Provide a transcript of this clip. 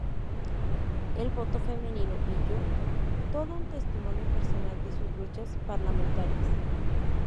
El voto femenino y yo", todo un testimonio personal de sus luchas parlamentarias.